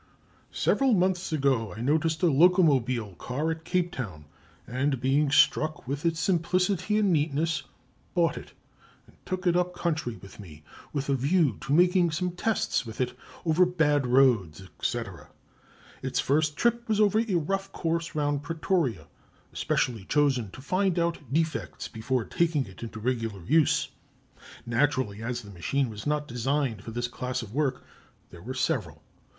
"Several months ago I noticed a locomobile car at Cape Town, and being struck with its simplicity and neatness, bought it and took it up country with me, with a view to making some tests with it over bad roads, &c. Its first trip was over a rough course round Pretoria, especially chosen to find out defects before taking it into regular use. Naturally, as the machine was not designed for this class of work, there were several.